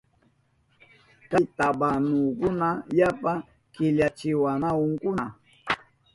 Kay tabanukuna yapa killachiwahunkuna.